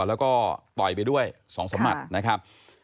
แล้วก็ต่อยไปด้วย๒๓หมัดนะครับ